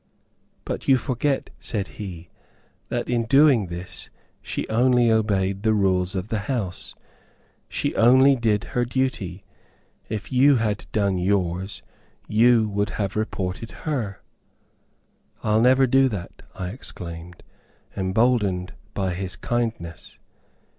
"But you forget," said he, "that in doing this she only obeyed the rules of the house. She only did her duty; if you had done yours, you would have reported her." "I'll never do that," I exclaimed, emboldened by his kindness.